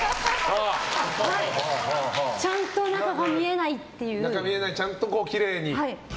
ちゃんと中が見えないっていう。